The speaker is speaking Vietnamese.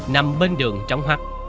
nằm bên đường trong hoắt